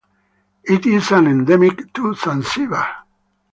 It is endemic to Zanzibar.